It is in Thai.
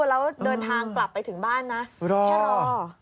แล้วเดินทางกลับไปถึงบ้านนะ